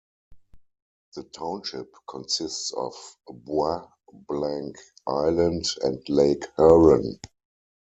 The township consists of Bois Blanc Island in Lake Huron.